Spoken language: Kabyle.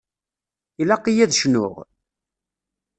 Ilaq-iyi ad cnuɣ?